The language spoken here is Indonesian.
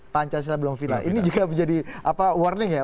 pancasila belum final ini juga menjadi warning ya